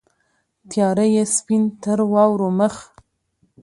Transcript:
تیاره یې سپین تر واورو مخ